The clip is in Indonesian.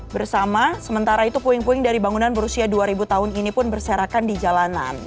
bersama sementara itu puing puing dari bangunan berusia dua ribu tahun ini pun berserakan di jalanan